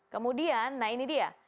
kemudian nah ini dia